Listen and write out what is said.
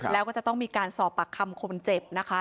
แล้วก็จะต้องมีการสอบปากคำคนเจ็บนะคะ